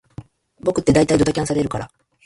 僕ってだいたいドタキャンされるから